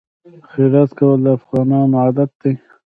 خیرات کول د افغانانو عادت دی.